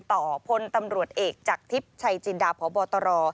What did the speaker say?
พลตำรวจเอกจากทิพย์ชัยจินดาพบตร